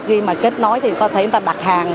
khi mà kết nối thì có thể người ta đặt hàng